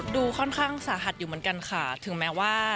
ดูค่อนข้างสาหัสอยู่เหมือนกันค่ะ